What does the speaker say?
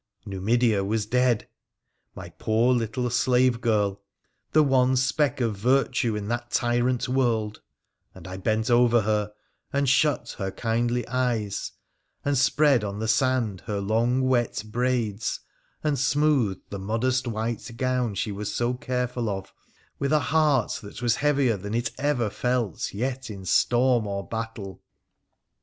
Numidea was dead ! my poor little slave girl — the one speck of virtue in that tyrant world — and I bent over her, and shut her kindly eyes, and spread on the sand hsr long wet braids, and smoothed the modest white gown she was so careful of, with a heart that was heavier than it ever felt yet in storm or battle